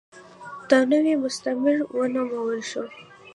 دا نوې مستعمره ونومول شوه.